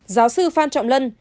giáo sư phan trọng lân